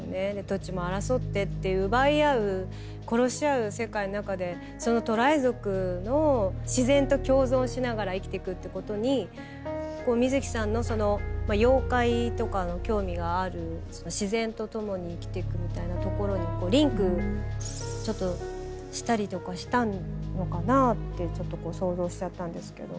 土地も争って奪い合う殺し合う世界の中でそのトライ族の自然と共存しながら生きていくってことに水木さんのその妖怪とかの興味がある自然と共に生きていくみたいなところにリンクしたりとかしたのかなって想像しちゃったんですけど。